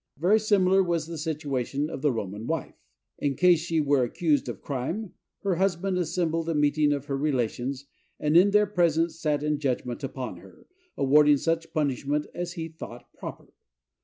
Very similar was the situation of the Roman wife. In case she were accused of crime, her husband assembled a meeting of her relations, and in their presence sat in judgment upon her, awarding such punishment as he thought proper.